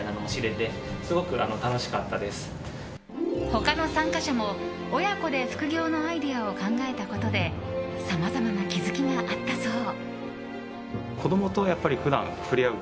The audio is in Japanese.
他の参加者も、親子で副業のアイデアを考えたことでさまざまな気づきがあったそう。